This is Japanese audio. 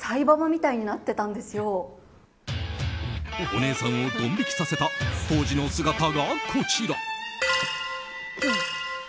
お姉さんをドン引きさせた当時の姿がこちら。